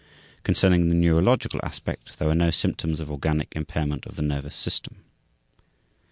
Concerning the neurological aspect, there are no symptoms of organic impairment of the nervous system.